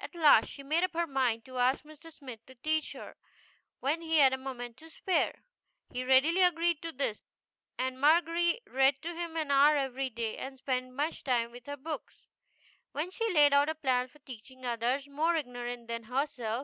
At last she made up her mind to ask Mr. Smith to teach her when he had a moment to spare. He readily agreed to do this, and Margery read to him an hour every day, and spent much time with her books. Then she laid out a plan for teaching others more ignorant than herself.